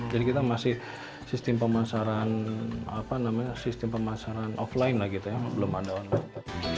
jadi kita masih sistem pemasaran offline lagi belum ada online